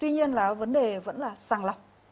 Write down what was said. tuy nhiên là vấn đề vẫn là sàng lọc